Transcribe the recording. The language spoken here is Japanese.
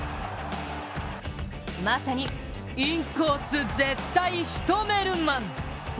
まさに、インコース絶対しとめるマン！